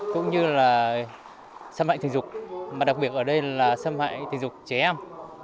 cũng như là xâm hại tình dục mà đặc biệt ở đây là xâm hại tình dục trẻ em